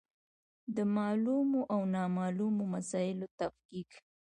د معلومو او نامعلومو مسایلو تفکیک.